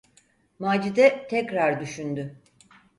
Macide tekrar düşündü: